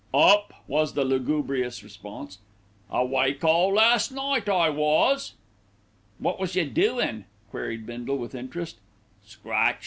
"Up!" was the lugubrious response. "Awake all last night, I was." "Wot was you doin'?" queried Bindle with interest. "Scratchin'!"